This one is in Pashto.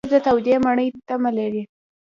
غریب د تودې مړۍ تمه لري